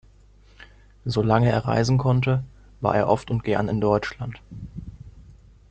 Solange er reisen konnte, war er oft und gern in Deutschland.